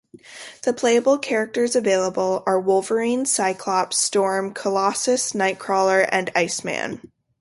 The playable characters available are Wolverine, Cyclops, Storm, Colossus, Nightcrawler and Iceman.